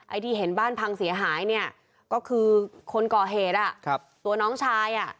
ที่เห็นบ้านพังเสียหายเนี่ยก็คือคนก่อเหตุอ่ะครับตัวน้องชายอ่ะ